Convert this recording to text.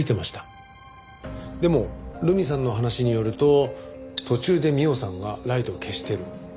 でも留美さんの話によると途中で美緒さんがライトを消している。